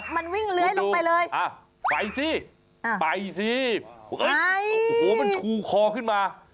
มันวิ่งเลื้อยลงไปเลยไปสิไปสิโอ้โหมันชูคอขึ้นมา